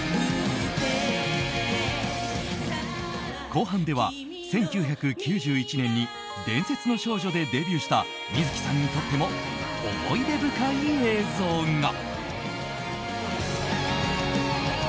後半では、１９９１年に「伝説の少女」でデビューした観月さんにとっても思い出深い映像が。